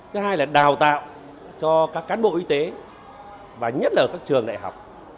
thứ hai là đào tạo cho các cán bộ y tế và nhất là các trường đại học